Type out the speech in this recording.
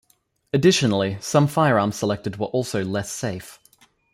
Additionally, some firearms selected were also less safe.